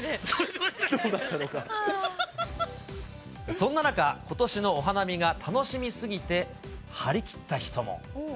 そんな中、ことしのお花見が楽しみすぎて張り切った人も。